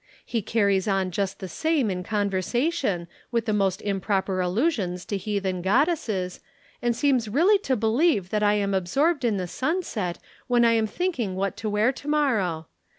He carries on just the same in conversation, with the most improper allusions to heathen goddesses, and seems really to believe that I am absorbed in the sunset when I am thinking what to wear to morrow.